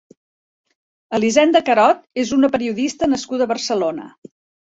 Elisenda Carod és una periodista nascuda a Barcelona.